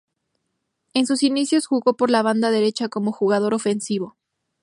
En sus inicios jugó por la banda derecha como jugador ofensivo.